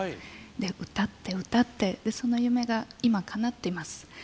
で、歌って、歌ってその夢が今かなっています。